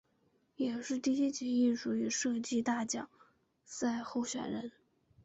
也是第一届艺术与设计大奖赛候选人。